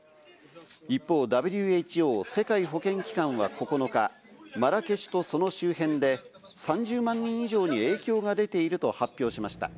一方、ＷＨＯ＝世界保健機関は９日、マラケシュとその周辺で、３０万人以上に影響が出ていると発表しました。